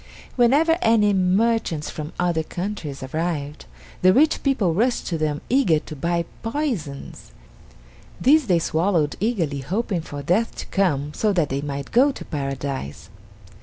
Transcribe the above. Whenever any merchants from other countries arrived, the rich people rushed to them eager to buy poisons. These they swallowed eagerly hoping for death to come so that they might go to Paradise.